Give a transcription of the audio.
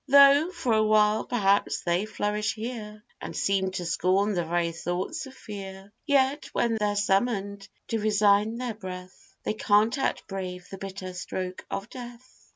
Though for awhile, perhaps, they flourish here, And seem to scorn the very thoughts of fear, Yet when they're summoned to resign their breath, They can't outbrave the bitter stroke of death!